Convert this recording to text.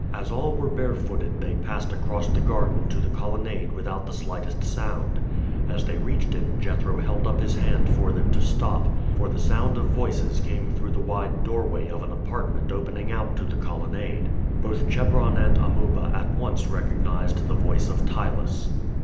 As all were barefooted they passed across the garden to the colonnade without the slightest sound. As they reached it Jethro held up his hand for them to stop, for the sound of voices came through the wide doorway of an apartment opening out to the colonnade. Both Chebron and Amuba at once recognized the voice of Ptylus.